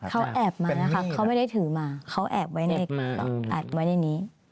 เขาแอบมานะคะเขาไม่ได้ถือมาเขาแอบไว้ในอัดไว้ในนี้